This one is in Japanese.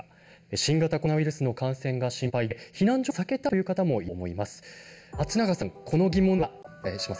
新型コロナウイルスの感染が心配で避難所は避けたいという方もいるかと思います。